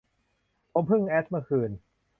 ผมเพิ่งแอดเมื่อคืน